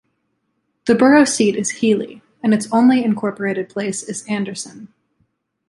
The borough seat is Healy, and its only incorporated place is Anderson.